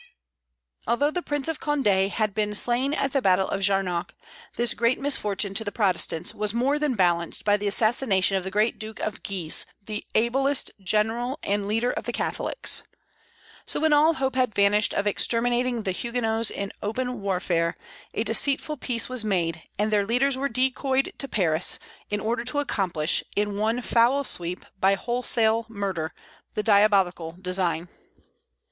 Although the Prince of Condé had been slain at the battle of Jarnac, this great misfortune to the Protestants was more than balanced by the assassination of the great Duke of Guise, the ablest general and leader of the Catholics. So when all hope had vanished of exterminating the Huguenots in open warfare, a deceitful peace was made; and their leaders were decoyed to Paris, in order to accomplish, in one foul sweep, by wholesale murder, the diabolical design.